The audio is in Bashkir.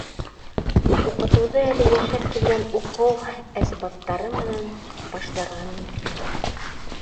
Уҡытыуҙы әле йәшәп килгән уҡыу әсбаптары менән башларға мөмкин.